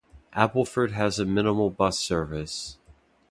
Appleford has a minimal bus service.